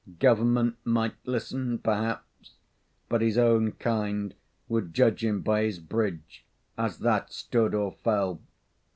Government might listen, perhaps, but his own kind would judge him by his bridge, as that stood or fell.